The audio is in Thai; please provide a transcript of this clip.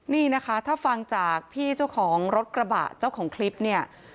นี่นะคะถ้าฟังจากพี่เจ้าของรถกระบะเจ้าของคลิปเนี่ย